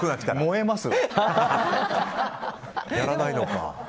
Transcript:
やらないのか。